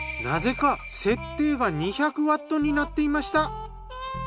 なぜか設定が２００ワットになっていました。